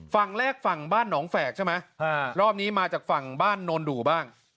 ฝั่งแรกฝั่งบ้านหนองแฝกใช่ไหมรอบนี้มาจากฝั่งบ้านโนนดูบ้าง